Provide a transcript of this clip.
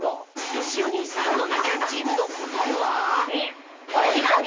よしお兄さんノナちゃんチームのこたえは？